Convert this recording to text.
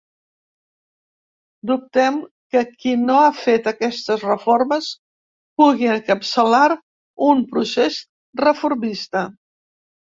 “Dubtem que qui no ha fet aquestes reformes pugui encapçalar” un procés reformista.